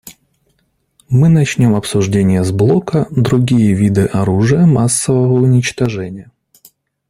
Мы начнем обсуждение с блока «Другие виды оружия массового уничтожения».